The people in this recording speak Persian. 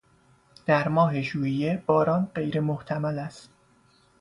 در ماه ژوئیه باران غیر محتمل است.